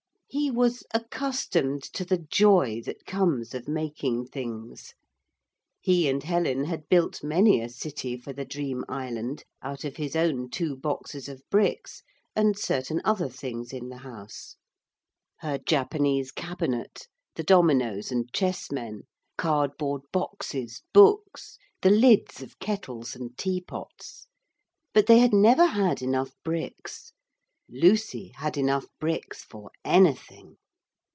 He was accustomed to the joy that comes of making things. He and Helen had built many a city for the dream island out of his own two boxes of bricks and certain other things in the house her Japanese cabinet, the dominoes and chessmen, cardboard boxes, books, the lids of kettles and teapots. But they had never had enough bricks. Lucy had enough bricks for anything.